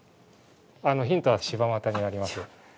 あのヒントは柴又になります。